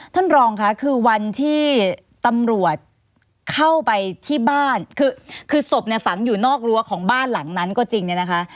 ท่านรองค่ะคือวันที่ตำรวจเข้าไปที่บ้านคือคือศพเนี่ยฝังอยู่นอกรั้วของบ้านหลังนั้นก็จริงเนี่ยนะคะ